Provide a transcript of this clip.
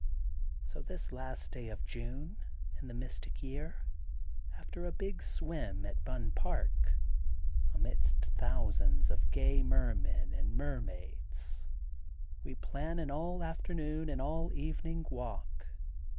So this last day of June, in the Mystic Year, after a big swim at Bunn Park, amidst thousands of gay mermen and mermaids, we plan an all afternoon and all evening walk.